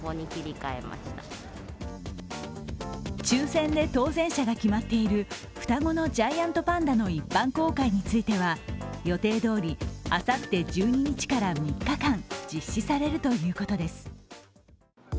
抽選で当選者が決まっている双子のジャイアントパンダの一般公開については予定どおりあさって１２日から３日間、実施されるということです。